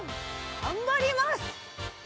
がんばります！